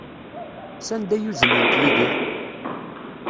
Sanda ay uznent Yidir?